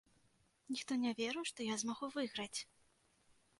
Ніхто не верыў, што я змагу выйграць.